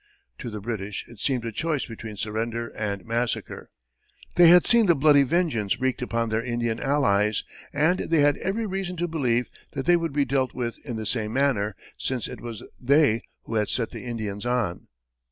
To the British, it seemed a choice between surrender and massacre. They had seen the bloody vengeance wreaked upon their Indian allies, and they had every reason to believe that they would be dealt with in the same manner, since it was they who had set the Indians on.